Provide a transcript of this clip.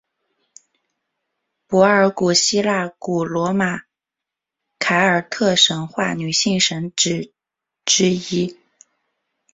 柏尔古希亚古罗马凯尔特神话女性神只之一。